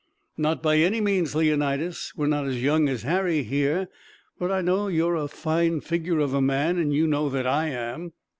"Not by any means, Leonidas. We're not as young as Harry here, but I know that you're a fine figure of a man, and you know that I am.